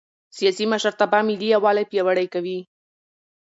سیاسي مشرتابه ملي یووالی پیاوړی کوي